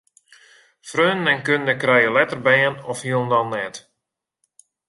Freonen en kunde krije letter bern of hielendal net.